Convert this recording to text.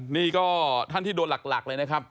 นี่ก็ท่านที่โดนหลักเลยนะครับ